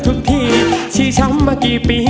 ทุกทีชี้ช้ำมากี่ปี